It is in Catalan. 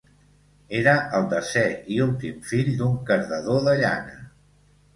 Era el desè, i últim, fill d'un cardador de llana.